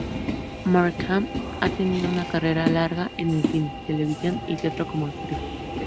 Markham ha tenido una carrera larga en el cine, televisión y teatro como actriz.